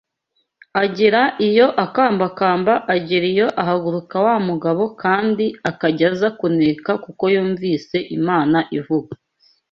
agera iyo akambakamba agera iyo ahaguruka wa mugabo kandi akajya aza kuneka kuko yumvise Imana ivuga